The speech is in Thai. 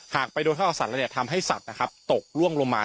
หากไปโดดเท่าสัตว์แล้วเนี่ยทำให้สัตว์นะครับตกล่วงลงมา